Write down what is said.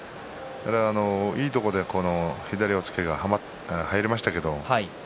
いいところで左押っつけが入りましたけれども。